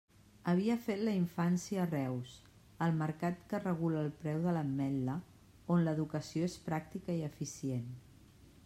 Havia fet la infància a Reus, el mercat que regula el preu de l'ametla, on l'educació és pràctica i eficient.